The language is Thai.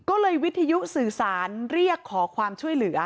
ก็เลยวิทยุสื่อสารเรียกขอความช่วยเหลือ